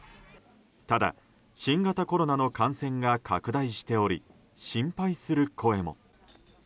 ただ、新型コロナの感染が拡大しており心配する声も。